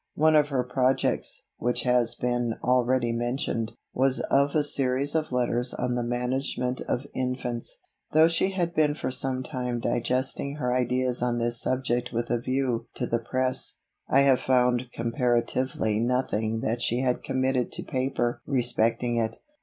One of her projects, which has been already mentioned, was of a series of Letters on the Management of Infants. Though she had been for some time digesting her ideas on this subject with a view to the press, I have found comparatively nothing that she had committed to paper respecting it.